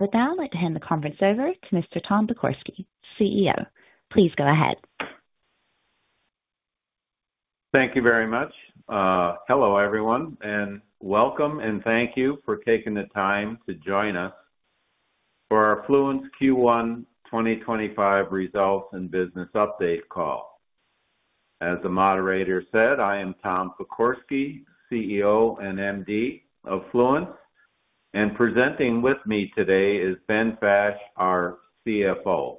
With that, I'll hand the conference over to Mr. Tom Pokorsky, CEO. Please go ahead. Thank you very much. Hello everyone, and welcome, and thank you for taking the time to join us for our Fluence Q1 2025 results and business update call. As the moderator said, I am Tom Pokorsky, CEO and MD of Fluence, and presenting with me today is Ben Fash, our CFO.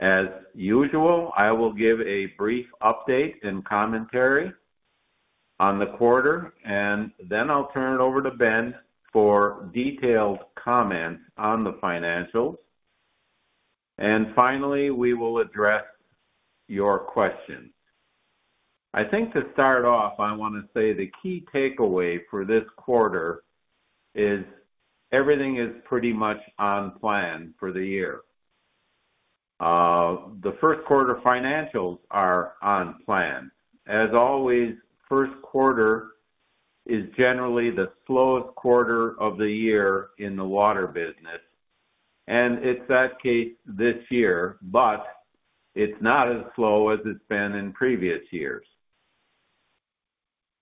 As usual, I will give a brief update and commentary on the quarter, then I'll turn it over to Ben for detailed comments on the financials. Finally, we will address your questions. I think to start off, I want to say the key takeaway for this quarter is everything is pretty much on plan for the year. The first quarter financials are on plan. As always, first quarter is generally the slowest quarter of the year in the water business, and it's that case this year, but it's not as slow as it's been in previous years.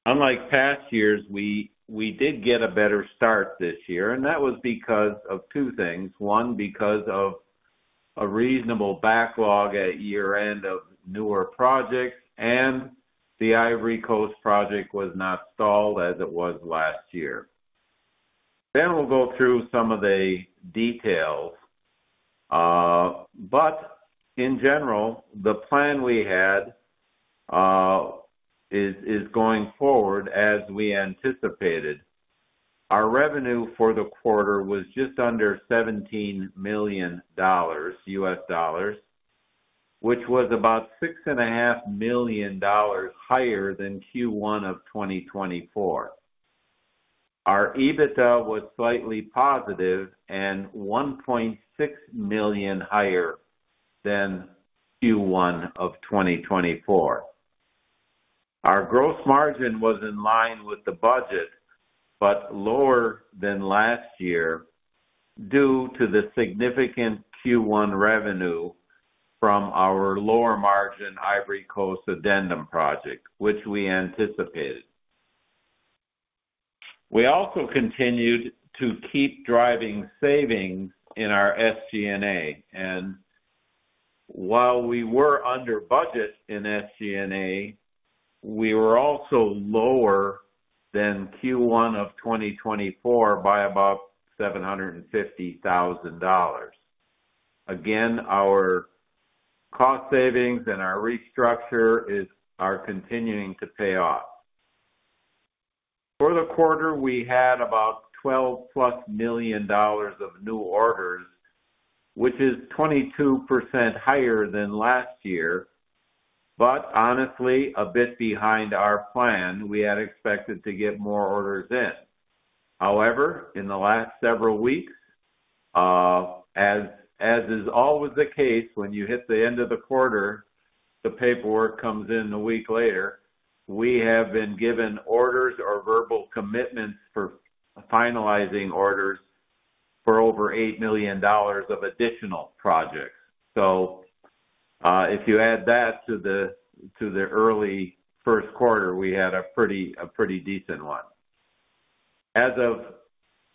Unlike past years, we did get a better start this year, and that was because of two things: one, because of a reasonable backlog at year-end of newer projects, and the Ivory Coast project was not stalled as it was last year. We will go through some of the details. In general, the plan we had is going forward as we anticipated. Our revenue for the quarter was just under $17 million, which was about $6.5 million higher than Q1 of 2024. Our EBITDA was slightly positive and $1.6 million higher than Q1 of 2024. Our gross margin was in line with the budget but lower than last year due to the significant Q1 revenue from our lower margin Ivory Coast Addendum project, which we anticipated. We also continued to keep driving savings in our SG&A, and while we were under budget in SG&A, we were also lower than Q1 of 2024 by about $750,000. Again, our cost savings and our restructure are continuing to pay off. For the quarter, we had about $12 million+ of new orders, which is 22% higher than last year, but honestly, a bit behind our plan. We had expected to get more orders in. However, in the last several weeks, as is always the case, when you hit the end of the quarter, the paperwork comes in a week later, we have been given orders or verbal commitments for finalizing orders for over $8 million of additional projects. If you add that to the early first quarter, we had a pretty, a pretty decent one. As of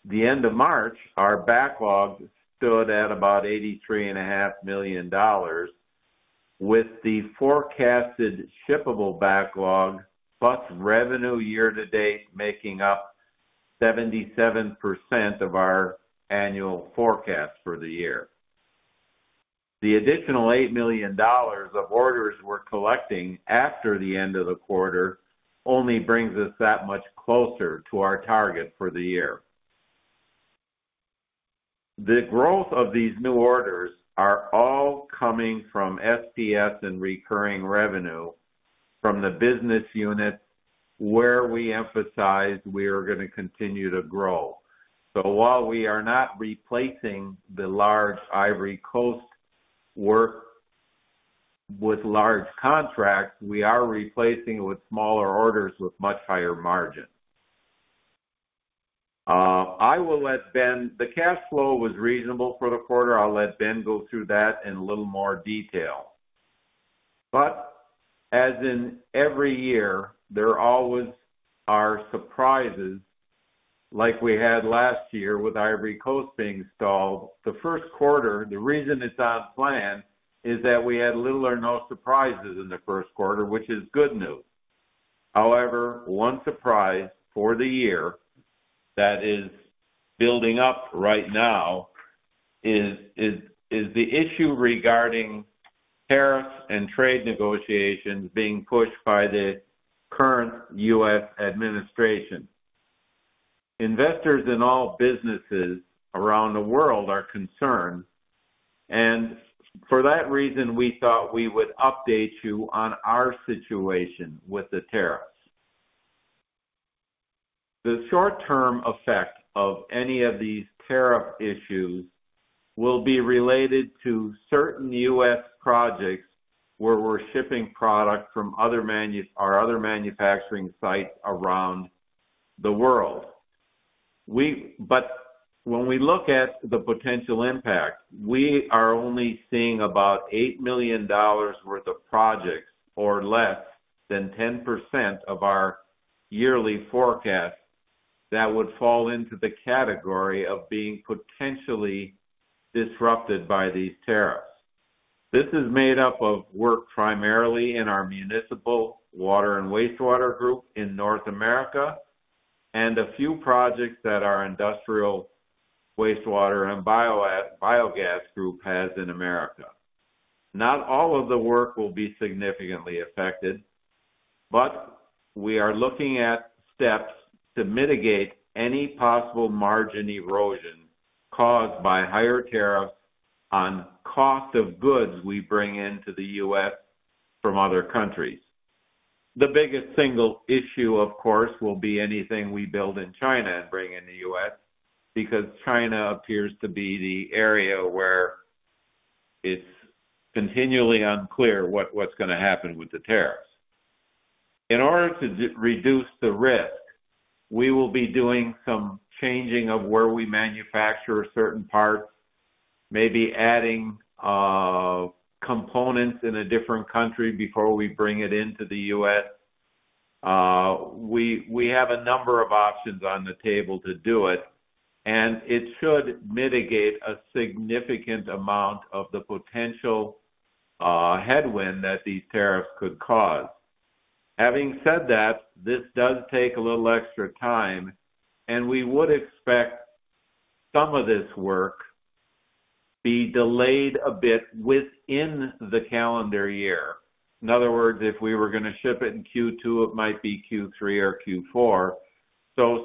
the end of March, our backlog stood at about $83.5 million with the forecasted shippable backlog, but revenue year-to-date making up 77% of our annual forecast for the year. The additional $8 million of orders we're collecting after the end of the quarter only brings us that much closer to our target for the year. The growth of these new orders is all coming from SPS and recurring revenue from the business unit where we emphasize we are gonna continue to grow. While we are not replacing the large Ivory Coast work with large contracts, we are replacing it with smaller orders with much higher margins. I will let Ben—the cash flow was reasonable for the quarter. I'll let Ben go through that in a little more detail. As in every year, there always are surprises, like we had last year with Ivory Coast being stalled. The first quarter, the reason it's on plan is that we had little or no surprises in the first quarter, which is good news. However, one surprise for the year that is building up right now is the issue regarding tariffs and trade negotiations being pushed by the current U.S. administration. Investors in all businesses around the world are concerned, and for that reason, we thought we would update you on our situation with the tariffs. The short-term effect of any of these tariff issues will be related to certain U.S. projects where we're shipping product from our other manufacturing sites around the world. When we look at the potential impact, we are only seeing about $8 million worth of projects or less than 10% of our yearly forecast that would fall into the category of being potentially disrupted by these tariffs. This is made up of work primarily in our municipal water and wastewater group in North America and a few projects that our industrial wastewater and biogas group has in America. Not all of the work will be significantly affected, but we are looking at steps to mitigate any possible margin erosion caused by higher tariffs on cost of goods we bring into the U.S. from other countries. The biggest single issue, of course, will be anything we build in China and bring in the U.S. because China appears to be the area where it's continually unclear what's gonna happen with the tariffs. In order to reduce the risk, we will be doing some changing of where we manufacture certain parts, maybe adding components in a different country before we bring it into the U.S.. We have a number of options on the table to do it, and it should mitigate a significant amount of the potential headwind that these tariffs could cause. Having said that, this does take a little extra time, and we would expect some of this work to be delayed a bit within the calendar year. In other words, if we were gonna ship it in Q2, it might be Q3 or Q4.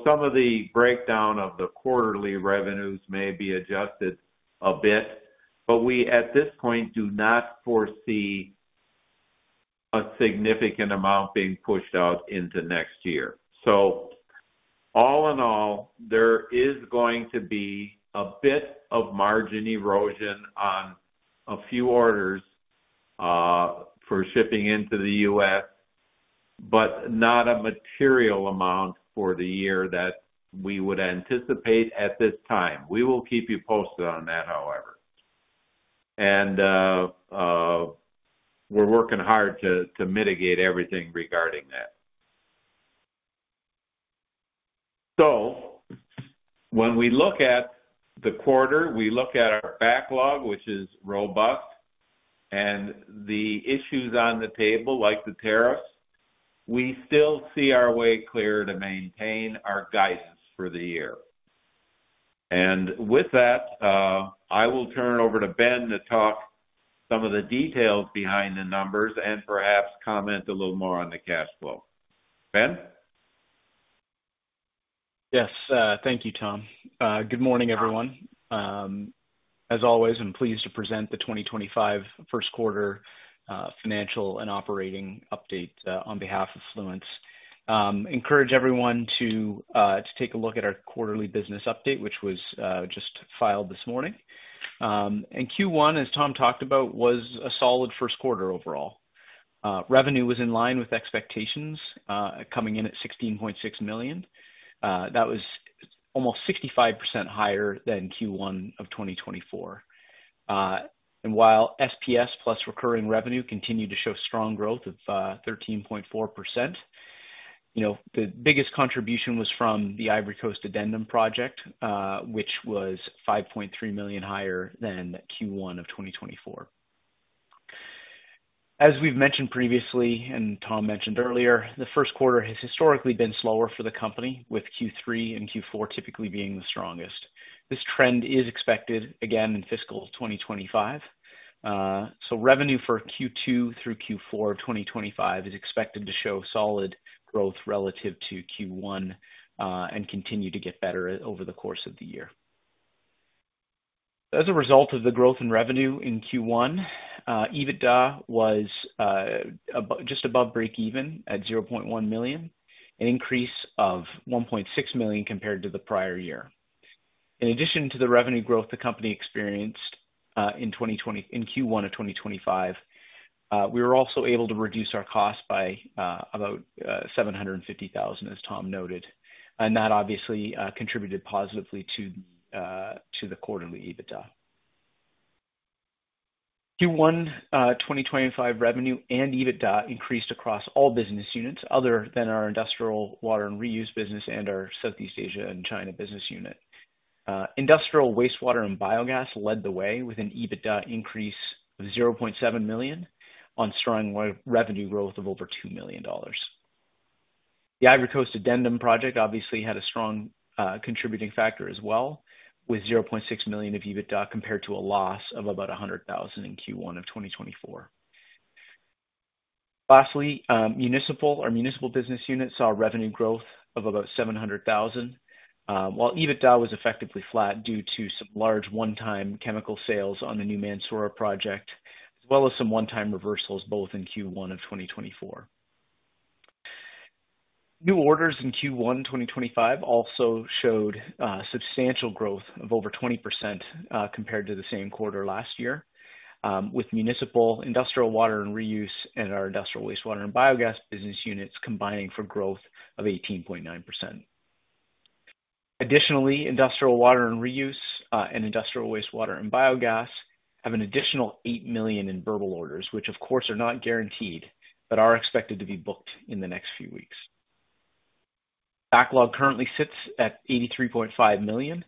Some of the breakdown of the quarterly revenues may be adjusted a bit, but we at this point do not foresee a significant amount being pushed out into next year. All in all, there is going to be a bit of margin erosion on a few orders for shipping into the U.S., but not a material amount for the year that we would anticipate at this time. We will keep you posted on that, however. We're working hard to mitigate everything regarding that. When we look at the quarter, we look at our backlog, which is robust, and the issues on the table, like the tariffs, we still see our way clear to maintain our guidance for the year. With that, I will turn it over to Ben to talk some of the details behind the numbers and perhaps comment a little more on the cash flow. Ben? Yes. Thank you, Tom. Good morning, everyone. As always, I'm pleased to present the 2025 first quarter financial and operating update on behalf of Fluence. Encourage everyone to take a look at our quarterly business update, which was just filed this morning. Q1, as Tom talked about, was a solid first quarter overall. Revenue was in line with expectations, coming in at $16.6 million. That was almost 65% higher than Q1 of 2024. While SPS plus recurring revenue continued to show strong growth of 13.4%, you know, the biggest contribution was from the Ivory Coast Addendum project, which was $5.3 million higher than Q1 of 2024. As we've mentioned previously, and Tom mentioned earlier, the first quarter has historically been slower for the company, with Q3 and Q4 typically being the strongest. This trend is expected again in fiscal 2025. Revenue for Q2 through Q4 of 2025 is expected to show solid growth relative to Q1, and continue to get better over the course of the year. As a result of the growth in revenue in Q1, EBITDA was just above breakeven at $0.1 million, an increase of $1.6 million compared to the prior year. In addition to the revenue growth the company experienced in 2020, in Q1 of 2025, we were also able to reduce our cost by about $750,000, as Tom noted, and that obviously contributed positively to the quarterly EBITDA. Q1 2025 revenue and EBITDA increased across all business units other than our industrial water and reuse business and our Southeast Asia and China business unit. Industrial wastewater and biogas led the way with an EBITDA increase of $0.7 million on strong revenue growth of over $2 million. The Ivory Coast Addendum project obviously had a strong, contributing factor as well with $0.6 million of EBITDA compared to a loss of about $100,000 in Q1 of 2024. Lastly, our municipal business unit saw revenue growth of about $700,000, while EBITDA was effectively flat due to some large one-time chemical sales on the new Mansour project, as well as some one-time reversals both in Q1 of 2024. New orders in Q1 2025 also showed substantial growth of over 20% compared to the same quarter last year, with municipal industrial water and reuse and our industrial wastewater and biogas business units combining for growth of 18.9%. Additionally, industrial water and reuse, and industrial wastewater and biogas have an additional $8 million in verbal orders, which, of course, are not guaranteed but are expected to be booked in the next few weeks. Backlog currently sits at $83.5 million,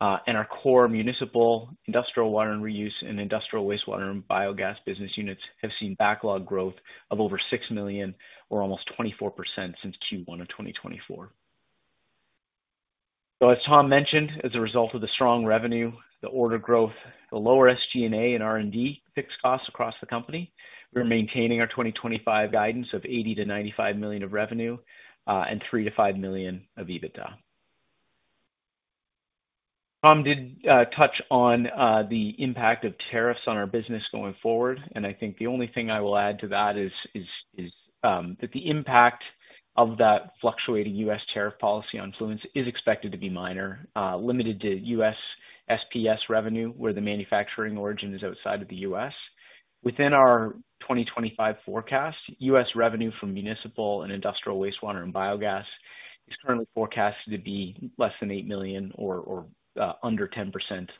and our core municipal industrial water and reuse and industrial wastewater and biogas business units have seen backlog growth of over $6 million, or almost 24%, since Q1 of 2024. As Tom mentioned, as a result of the strong revenue, the order growth, the lower SG&A and R&D fixed costs across the company, we're maintaining our 2025 guidance of $80-$95 million of revenue, and $3-$5 million of EBITDA. Tom did touch on the impact of tariffs on our business going forward, and I think the only thing I will add to that is that the impact of that fluctuating U.S. tariff policy on Fluence is expected to be minor, limited to U.S. SPS revenue where the manufacturing origin is outside of the U.S. Within our 2025 forecast, U.S. revenue from municipal and industrial wastewater and biogas is currently forecast to be less than $8 million, or under 10%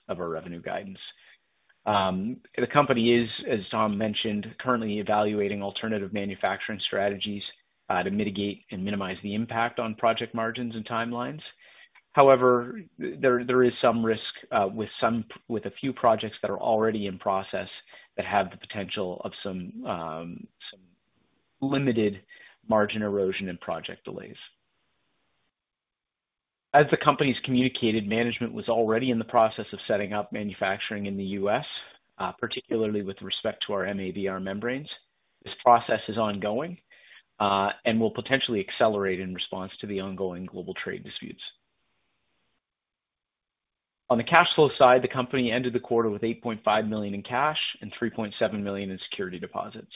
of our revenue guidance. The company is, as Tom mentioned, currently evaluating alternative manufacturing strategies to mitigate and minimize the impact on project margins and timelines. However, there is some risk with a few projects that are already in process that have the potential of some limited margin erosion and project delays. As the company has communicated, management was already in the process of setting up manufacturing in the U.S., particularly with respect to our MABR membranes. This process is ongoing and will potentially accelerate in response to the ongoing global trade disputes. On the cash flow side, the company ended the quarter with $8.5 million in cash and $3.7 million in security deposits.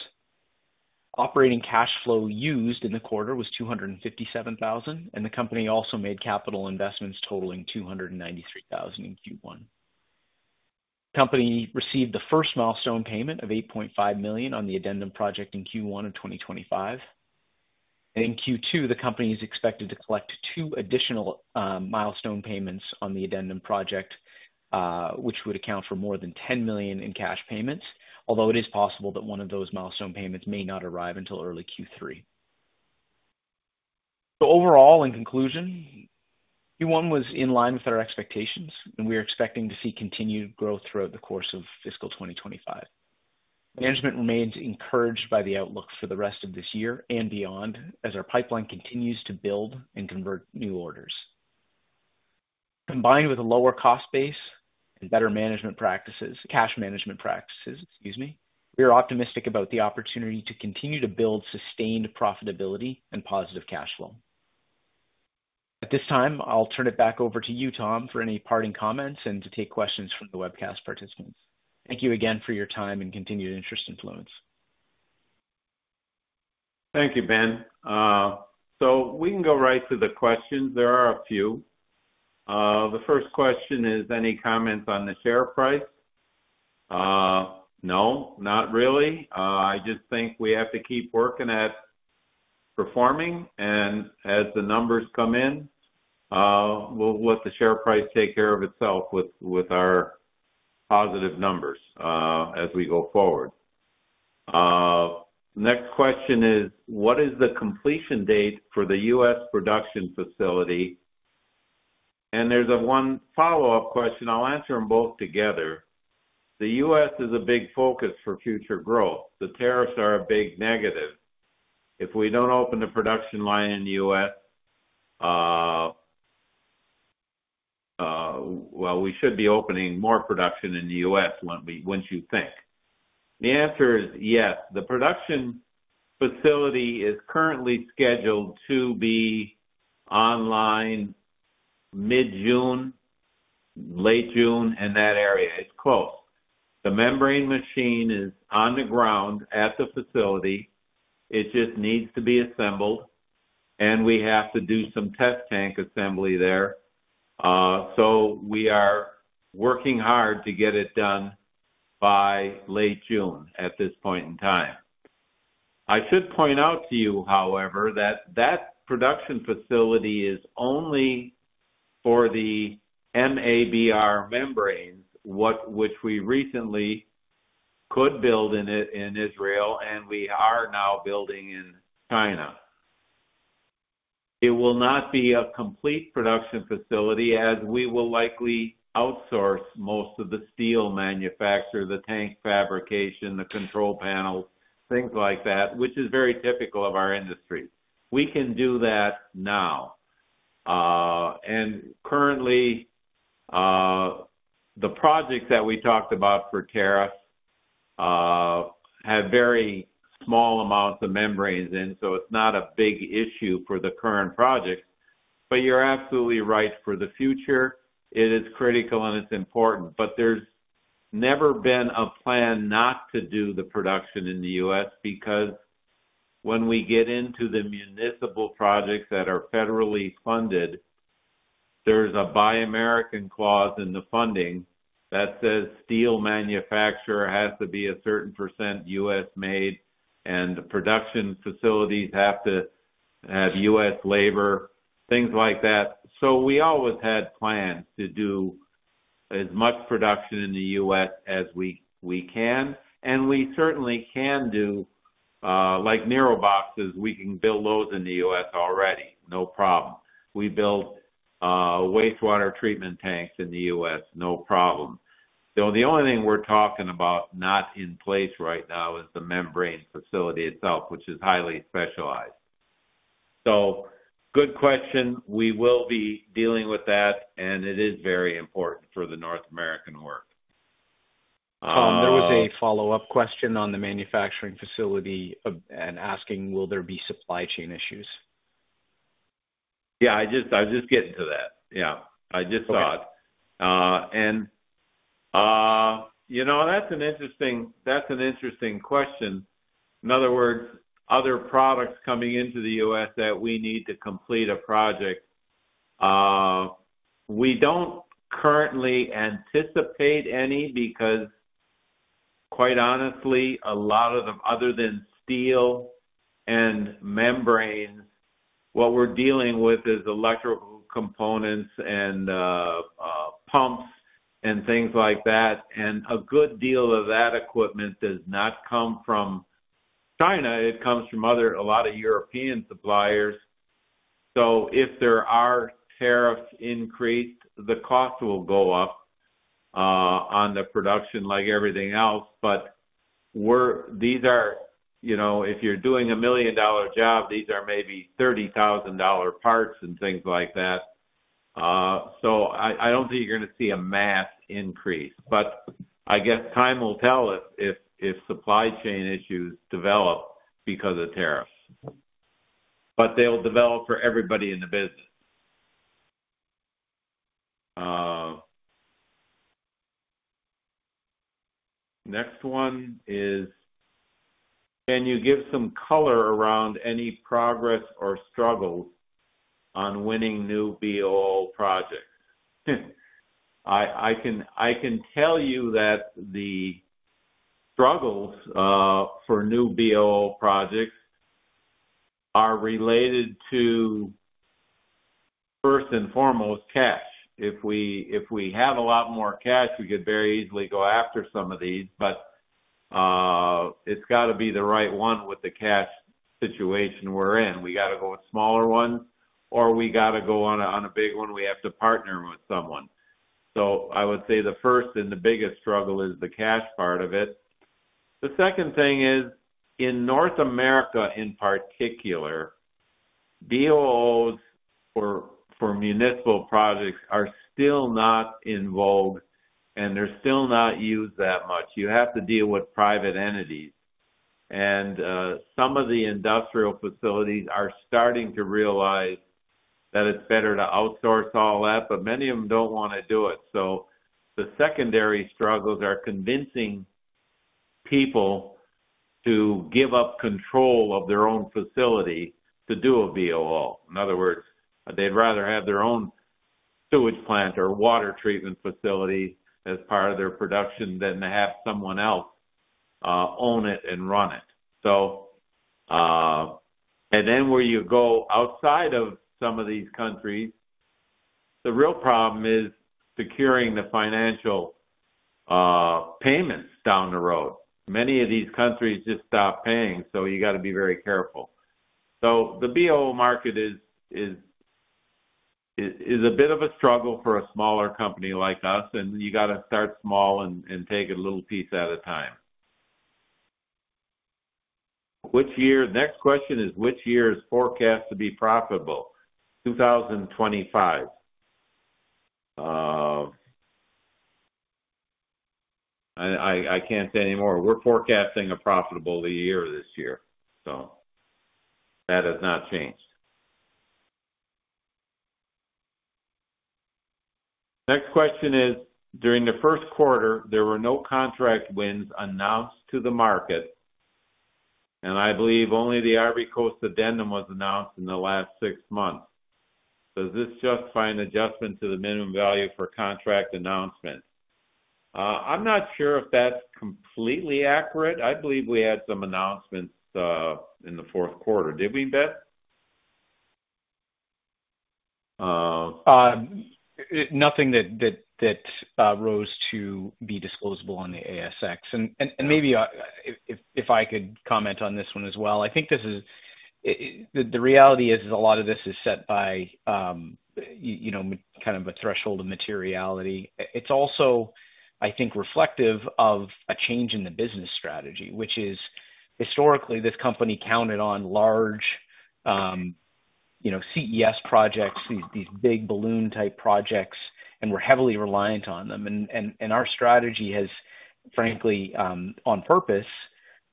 Operating cash flow used in the quarter was $257,000, and the company also made capital investments totaling $293,000 in Q1. The company received the first milestone payment of $8.5 million on the Addendum project in Q1 of 2025. In Q2, the company is expected to collect two additional milestone payments on the Addendum project, which would account for more than $10 million in cash payments, although it is possible that one of those milestone payments may not arrive until early Q3. Overall, in conclusion, Q1 was in line with our expectations, and we are expecting to see continued growth throughout the course of fiscal 2025. Management remains encouraged by the outlook for the rest of this year and beyond as our pipeline continues to build and convert new orders. Combined with a lower cost base and better management practices—cash management practices, excuse me—we are optimistic about the opportunity to continue to build sustained profitability and positive cash flow. At this time, I'll turn it back over to you, Tom, for any parting comments and to take questions from the webcast participants. Thank you again for your time and continued interest in Fluence. Thank you, Ben. We can go right to the questions. There are a few. The first question is, any comments on the share price? No, not really. I just think we have to keep working at performing, and as the numbers come in, we'll let the share price take care of itself with our positive numbers, as we go forward. Next question is, what is the completion date for the US production facility? And there's one follow-up question. I'll answer them both together. The US is a big focus for future growth. The tariffs are a big negative. If we don't open the production line in the US, we should be opening more production in the U.S. when we—once you think. The answer is yes. The production facility is currently scheduled to be online mid-June, late June, in that area. It's close. The membrane machine is on the ground at the facility. It just needs to be assembled, and we have to do some test tank assembly there. We are working hard to get it done by late June at this point in time. I should point out to you, however, that that production facility is only for the MABR membranes, which we recently could build in Israel, and we are now building in China. It will not be a complete production facility as we will likely outsource most of the steel manufacture, the tank fabrication, the control panels, things like that, which is very typical of our industry. We can do that now. Currently, the projects that we talked about for tariffs have very small amounts of membranes in, so it's not a big issue for the current projects. You're absolutely right. For the future, it is critical and it's important, but there's never been a plan not to do the production in the U.S. because when we get into the municipal projects that are federally funded, there's a Buy American clause in the funding that says steel manufacturer has to be a certain % U.S.-made, and production facilities have to have U.S. labor, things like that. We always had plans to do as much production in the U.S. as we can, and we certainly can do, like NIROBOX. We can build those in the U.S. already. No problem. We build wastewater treatment tanks in the U.S. No problem. The only thing we're talking about not in place right now is the membrane facility itself, which is highly specialized. Good question. We will be dealing with that, and it is very important for the North American work. Tom, there was a follow-up question on the manufacturing facility and asking, will there be supply chain issues? Yeah, I was just getting to that. Yeah, I just thought. You know, that's an interesting question. In other words, other products coming into the U.S. that we need to complete a project, we do not currently anticipate any because, quite honestly, a lot of them—other than steel and membranes—what we are dealing with is electrical components, pumps, and things like that. A good deal of that equipment does not come from China. It comes from a lot of European suppliers. If there are tariffs increased, the cost will go up on the production like everything else. These are, you know, if you are doing a million-dollar job, these are maybe $30,000 parts and things like that. I do not think you are going to see a mass increase, but I guess time will tell if supply chain issues develop because of tariffs. They'll develop for everybody in the business. The next one is, can you give some color around any progress or struggles on winning new BOL projects? I can—I can tell you that the struggles for new BOL projects are related to, first and foremost, cash. If we—if we have a lot more cash, we could very easily go after some of these. But, it's gotta be the right one with the cash situation we're in. We gotta go with smaller ones, or we gotta go on a big one. We have to partner with someone. I would say the first and the biggest struggle is the cash part of it. The second thing is, in North America in particular, BOLs for municipal projects are still not involved, and they're still not used that much. You have to deal with private entities, and some of the industrial facilities are starting to realize that it's better to outsource all that, but many of them don't wanna do it. The secondary struggles are convincing people to give up control of their own facility to do a BOL. In other words, they'd rather have their own sewage plant or water treatment facility as part of their production than to have someone else own it and run it. When you go outside of some of these countries, the real problem is securing the financial payments down the road. Many of these countries just stop paying, so you gotta be very careful. The BOL market is a bit of a struggle for a smaller company like us, and you gotta start small and take it a little piece at a time. Which year? Next question is, which year is forecast to be profitable? 2025. I can't say anymore. We're forecasting a profitable year this year, so that has not changed. Next question is, during the first quarter, there were no contract wins announced to the market, and I believe only the Ivory Coast Addendum was announced in the last six months. Does this justify an adjustment to the minimum value for contract announcement? I'm not sure if that's completely accurate. I believe we had some announcements, in the fourth quarter. Did we, Ben? Nothing that rose to be disposable on the ASX. Maybe, if I could comment on this one as well. I think this is, the reality is, a lot of this is set by, you know, kind of a threshold of materiality. It's also, I think, reflective of a change in the business strategy, which is historically this company counted on large, you know, CES projects, these big balloon-type projects, and were heavily reliant on them. Our strategy has, frankly, on purpose,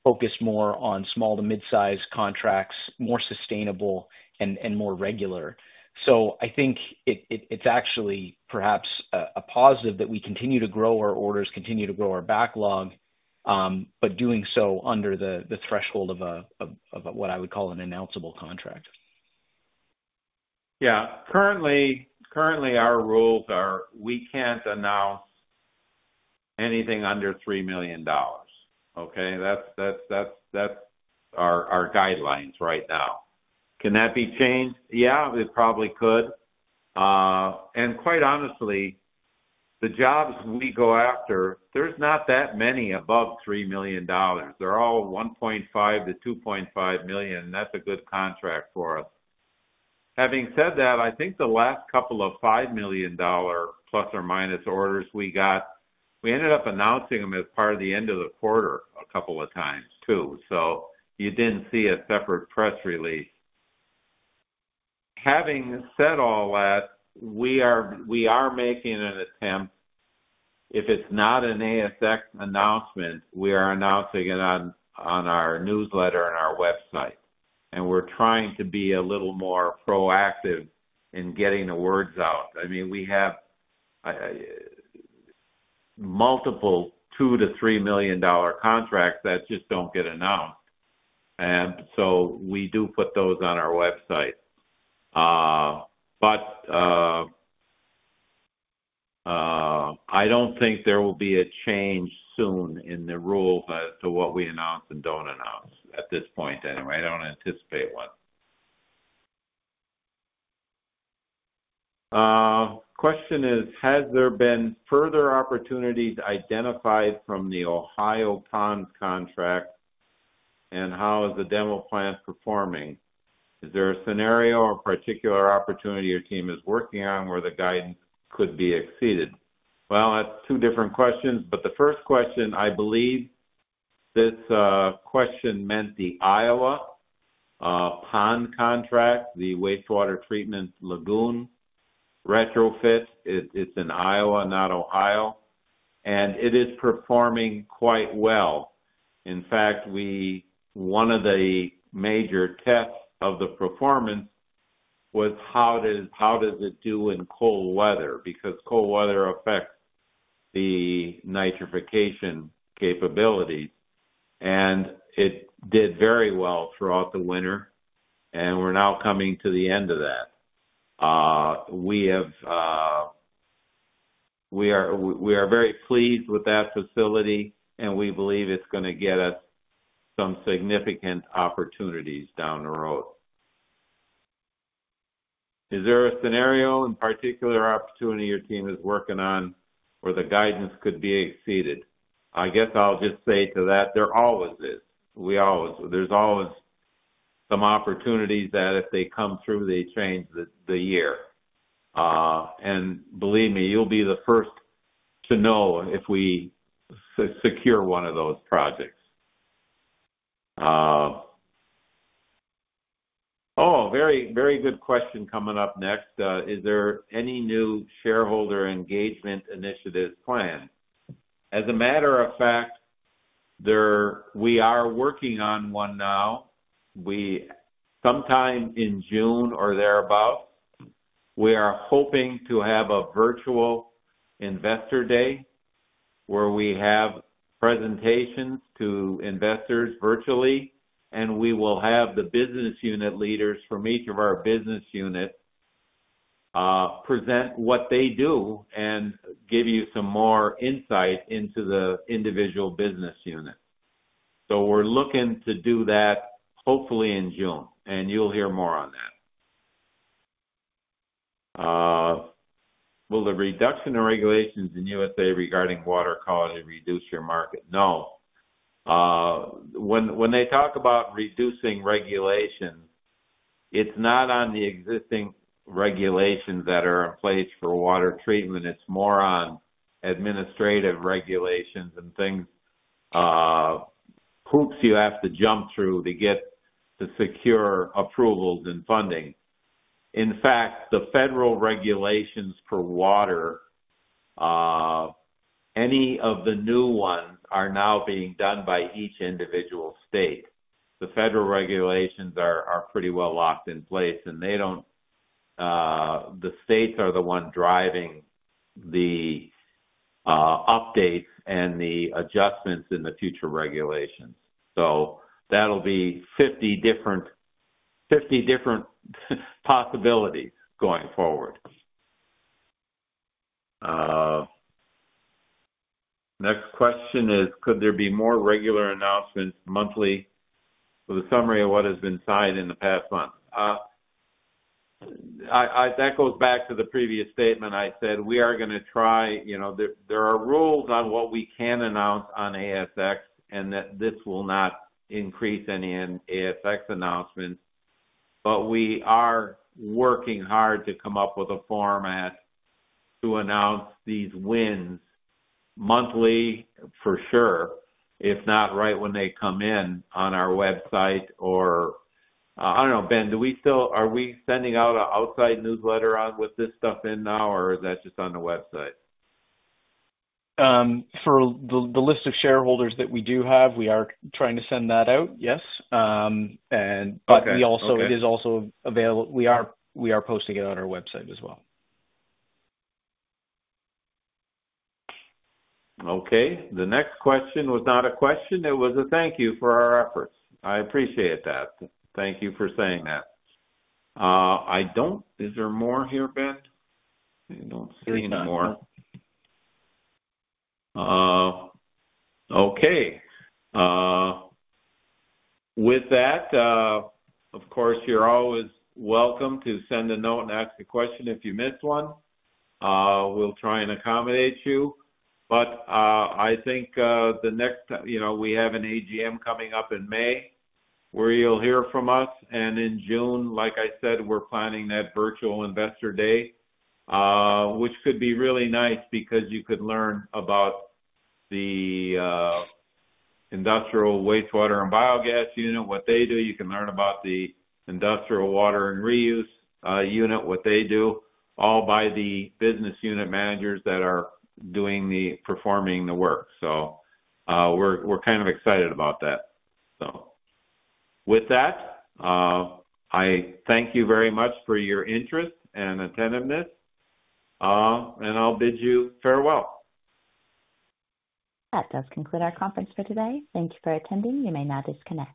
focused more on small to mid-size contracts, more sustainable and more regular. I think it's actually perhaps a positive that we continue to grow our orders, continue to grow our backlog, but doing so under the threshold of what I would call an announceable contract. Yeah. Currently, our rules are we can't announce anything under $3 million. Okay? That's our guidelines right now. Can that be changed? Yeah, it probably could. And quite honestly, the jobs we go after, there's not that many above $3 million. They're all $1.5-$2.5 million, and that's a good contract for us. Having said that, I think the last couple of $5 million± orders we got, we ended up announcing them as part of the end of the quarter a couple of times too, so you didn't see a separate press release. Having said all that, we are making an attempt. If it's not an ASX announcement, we are announcing it on our newsletter and our website, and we're trying to be a little more proactive in getting the words out. I mean, we have multiple $2 million-$3 million contracts that just don't get announced, and so we do put those on our website. I don't think there will be a change soon in the rules as to what we announce and don't announce at this point anyway. I don't anticipate one. Question is, has there been further opportunities identified from the Iowa Ponds contract, and how is the demo plant performing? Is there a scenario or particular opportunity your team is working on where the guidance could be exceeded? That's two different questions, but the first question, I believe this question meant the Iowa Pond contract, the wastewater treatment lagoon retrofit. It's in Iowa, not Ohio, and it is performing quite well. In fact, one of the major tests of the performance was how does it do in cold weather because cold weather affects the nitrification capabilities, and it did very well throughout the winter, and we're now coming to the end of that. We are very pleased with that facility, and we believe it's gonna get us some significant opportunities down the road. Is there a scenario, a particular opportunity your team is working on where the guidance could be exceeded? I guess I'll just say to that, there always is. There's always some opportunities that if they come through, they change the year. Believe me, you'll be the first to know if we secure one of those projects. Very, very good question coming up next. Is there any new shareholder engagement initiatives planned? As a matter of fact, we are working on one now. Sometime in June or thereabouts, we are hoping to have a virtual investor day where we have presentations to investors virtually, and we will have the business unit leaders from each of our business units present what they do and give you some more insight into the individual business unit. We are looking to do that hopefully in June, and you'll hear more on that. Will the reduction of regulations in the U.S. regarding water quality reduce your market? No. When they talk about reducing regulations, it's not on the existing regulations that are in place for water treatment. It's more on administrative regulations and things, hoops you have to jump through to get to secure approvals and funding. In fact, the federal regulations for water, any of the new ones are now being done by each individual state. The federal regulations are pretty well locked in place, and they don't, the states are the ones driving the updates and the adjustments in the future regulations. That'll be 50 different, 50 different possibilities going forward. Next question is, could there be more regular announcements monthly for the summary of what has been signed in the past month? I, I think that goes back to the previous statement. I said we are gonna try, you know, there are rules on what we can announce on ASX and that this will not increase any ASX announcements, but we are working hard to come up with a format to announce these wins monthly for sure, if not right when they come in on our website or, I don't know, Ben, do we still, are we sending out an outside newsletter with this stuff in now, or is that just on the website? For the list of shareholders that we do have, we are trying to send that out, yes. It is also available. We are posting it on our website as well. Okay. The next question was not a question. It was a thank you for our efforts. I appreciate that. Thank you for saying that. I don't, is there more here, Ben? I don't see any more. Okay. With that, of course, you're always welcome to send a note and ask a question if you miss one. We'll try and accommodate you, but I think the next, you know, we have an AGM coming up in May where you'll hear from us, and in June, like I said, we're planning that virtual investor day, which could be really nice because you could learn about the industrial wastewater and biogas unit, what they do. You can learn about the industrial water and reuse unit, what they do, all by the business unit managers that are doing the, performing the work. We're kind of excited about that. Thank you very much for your interest and attentiveness, and I'll bid you farewell. That does conclude our conference for today. Thank you for attending. You may now disconnect.